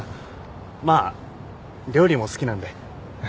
まあ料理も好きなんで。